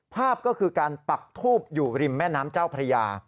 ภาพก็คือการปักทูบอยู่ริมแม่น้ำเจ้าพระยา